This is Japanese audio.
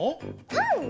パン？